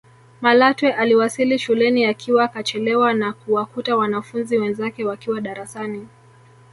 Malatwe aliwasili shuleni akiwa kachelewa na kuwakuta wanafunzi wenzake wakiwa darasani